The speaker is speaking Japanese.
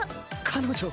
彼女。